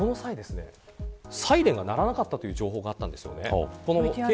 この際、サイレンが鳴らなかったという情報があったんですよね。